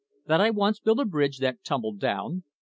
That I once built a bridge that tumbled down.